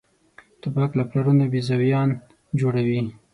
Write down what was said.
توپک له پلارونو بېزویان جوړوي.